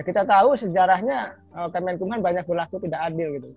kita tahu sejarahnya kemenkum ham banyak berlaku tidak adil